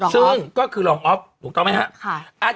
ซึ่งก็คือรองอ๊อฟถูกต้องไหมครับ